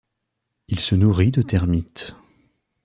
Il se nourrit de termites.